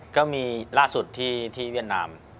ก็มีล่าสุดที่เวียดนาม